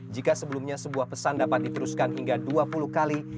jika sebelumnya sebuah pesan dapat diteruskan hingga dua puluh kali